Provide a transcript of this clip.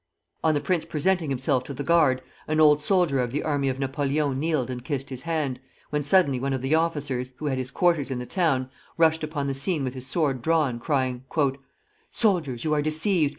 On the prince presenting himself to the guard, an old soldier of the army of Napoleon kneeled and kissed his hand, when suddenly one of the officers, who had his quarters in the town, rushed upon the scene with his sword drawn, crying: "Soldiers, you are deceived!